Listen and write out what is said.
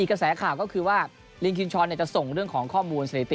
กระแสข่าวก็คือว่าลิงคินช้อนจะส่งเรื่องของข้อมูลสถิติ